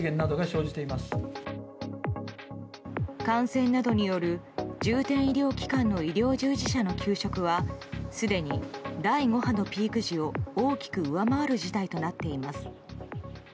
感染などによる重点医療機関の医療従事者の休職はすでに第５波のピーク時を大きく上回る事態となっています。